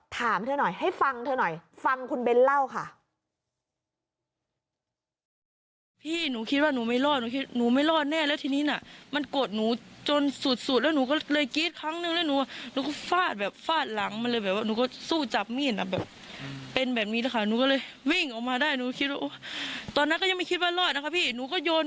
ถามเธอหน่อยให้ฟังเธอหน่อย